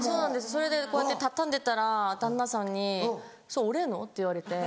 それでこうやって畳んでたら旦那さんに「それ俺の？」って言われて。